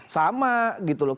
sama gitu loh